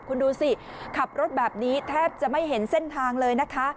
คุณดูสิขับรถแบบนี้แทบจะไม่เห็นเส้นทางเลยนะคะ